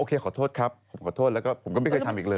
ผมก็โอเคขอโทษครับขอโทษแล้วก็ผมก็ไม่เคยทำอีกเลย